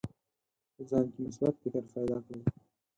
په ځان کې مثبت فکر پیدا کړئ.